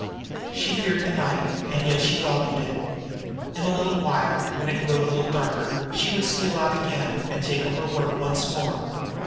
She feared the night and yet she welcomed it. In a little while, when it grew a little darker, she would steal out again and take up her work once more.